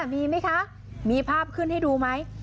มีไหมคะมีภาพขึ้นให้ดูไหม